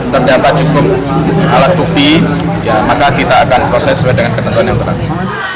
terdapat cukup alat bukti maka kita akan proses sesuai dengan ketentuan yang berlaku